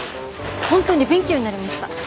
本当に勉強になりました。